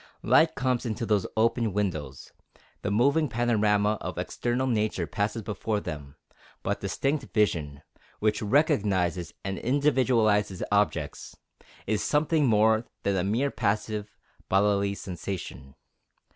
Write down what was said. Light comes into those open windows, the moving panorama of external nature passes before them, but distinct vision, which recognizes and individualizes objects, is something more than a mere passive, bodily sensation.